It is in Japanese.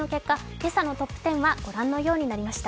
今朝のトップ１０はご覧のようになりました。